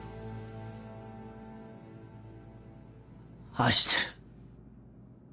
愛してる。